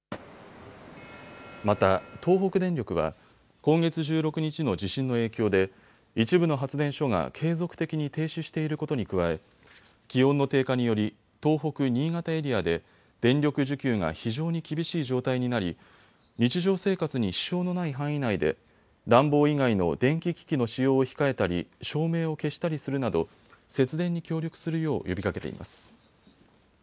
また東北電力は今月１６日の地震の影響で一部の発電所が継続的に停止していることに加え気温の低下により東北・新潟エリアで電力需給が非常に厳しい状態になり日常生活に支障のない範囲内で暖房以外の電気機器の使用を控えたり照明を消したりするなど節電に協力するよう呼びかけています。